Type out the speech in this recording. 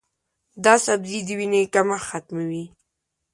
دا سبزی د وینې کمښت ختموي.